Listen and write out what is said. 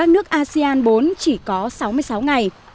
đoàn bốn chỉ có sáu mươi sáu ngày